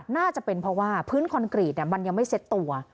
น่าจะเป็นเพราะว่าพื้นคอนกรีตมันยังไม่เซ็ตตัว